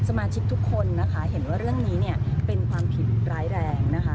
สมาชิกทุกคนนะคะเห็นว่าเรื่องนี้เนี่ยเป็นความผิดร้ายแรงนะคะ